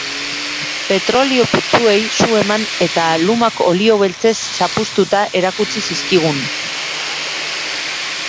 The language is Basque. Petrolio putzuei su eman eta lumak olio beltzez zapuztuta erakutsi zizkigun.